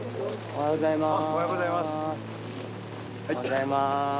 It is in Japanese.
おはようございます。